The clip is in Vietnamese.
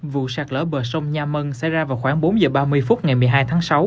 vụ sạt lỡ bờ sông nha mân xảy ra vào khoảng bốn h ba mươi phút ngày một mươi hai tháng sáu